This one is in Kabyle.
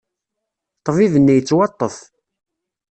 Ṭṭbib-nni yettwaṭṭef.